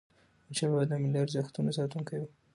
احمدشاه بابا د ملي ارزښتونو ساتونکی و.